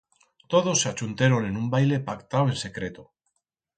Todos s'achunteron en un baile pactau en secreto.